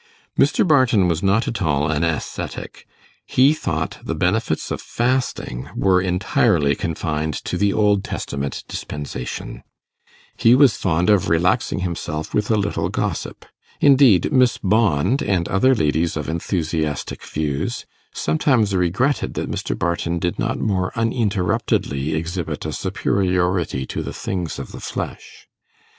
Mr. Barton was not at all an ascetic; he thought the benefits of fasting were entirely confined to the Old Testament dispensation; he was fond of relaxing himself with a little gossip; indeed, Miss Bond, and other ladies of enthusiastic views, sometimes regretted that Mr. Barton did not more uninterruptedly exhibit a superiority to the things of the flesh.